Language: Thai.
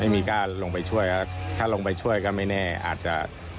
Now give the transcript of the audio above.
ไม่มีใครกล้าลงไปช่วยถ้าลงไปช่วยก็ไม่แน่อาจจะ